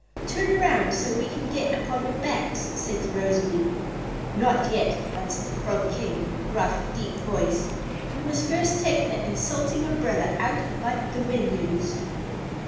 "Turn around, so we can get upon your backs," said Rosalie. "Not yet," answered the Frog King, in a gruff, deep voice. "You must first take that insulting umbrella out of my dominions."